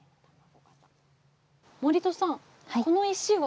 森戸さん、この石は？